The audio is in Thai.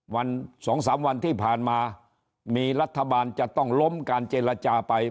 วันสองสามวันที่ผ่านมามีรัฐบาลจะต้องล้มการเจรจาไป